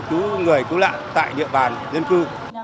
cứu người cứu nạn tại địa bàn dân cư